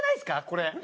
これ。